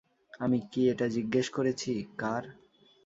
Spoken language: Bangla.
আমি কি এটা জিজ্ঞেস করেছি, কার?